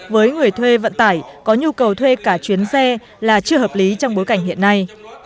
với người thuê vận tải có nhu cầu thuê cả chuyến xe là chưa hợp lý trong bối cảnh hiện nay